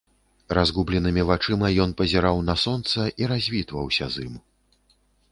Разгубленымі вачыма ён пазіраў на сонца і развітваўся з ім.